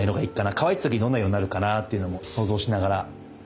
乾いた時どんな色になるかなというのも想像しながら。